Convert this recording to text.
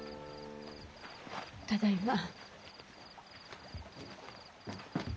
ただいま。